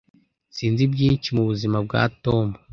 Sinzi byinshi mubuzima bwa Tom.